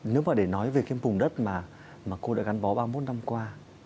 nếu mà để nói về cái vùng đất mà cô đã gắn bó ba mươi một năm qua